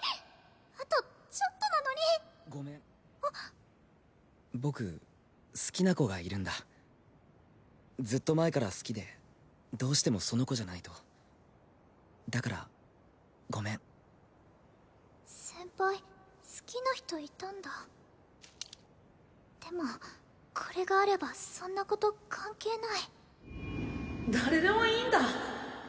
あとちょっとなのにごめんあ僕好きな子がいるんだずっと前から好きでどうしてもその子じゃないとだからごめん先輩好きな人いたんだでもこれがあればそんなこと関係ない誰でもいーんだ？